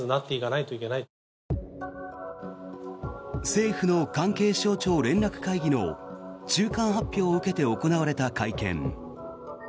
政府の関係省庁連絡会議の中間発表を受けて行われた会見。